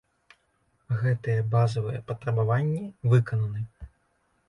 Гэтыя базавыя патрабаванні выкананы.